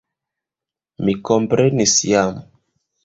Mi komprenis jam.